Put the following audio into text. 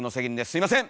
すいません！